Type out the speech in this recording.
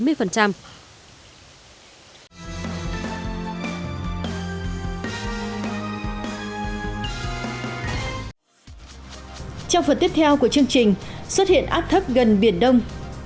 trong phần tiếp theo của chương trình xuất hiện áp thấp gần biển đông